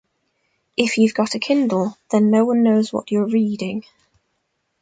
If you've got a Kindle then no one knows what you're reading.